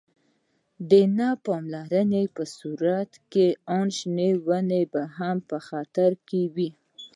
د نه پاملرنې په صورت کې آن شنې ونې هم په خطر کې وي.